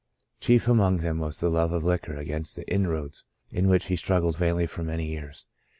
Chief among them was the love of liquor against the inroads of which he struggled vainly for many years.